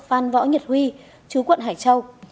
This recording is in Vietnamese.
phan võ nhật huy chú quận hải châu